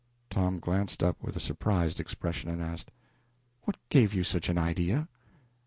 Tom glanced up with a surprised expression, and asked "What gave you such an idea?"